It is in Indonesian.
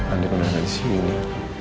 andi pernah disini